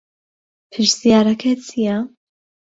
پرسیارەکە چییە؟